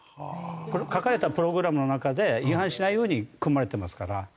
書かれたプログラムの中で違反しないように組まれてますから。